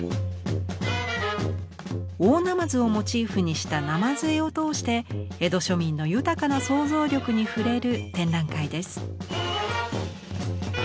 大鯰をモチーフにした「鯰絵」を通して江戸庶民の豊かな想像力に触れる展覧会です。